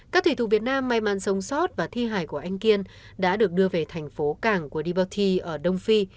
các thủy thủ việt nam may mắn sống sót và thi hài của anh kiên đã được đưa về thành phố cảng của deboti ở đông phi